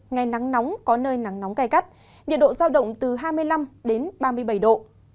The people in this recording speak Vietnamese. ngày nắng nóng có nơi nắng nóng gai gắt nhiệt độ giao động từ hai mươi năm đến ba mươi bảy độ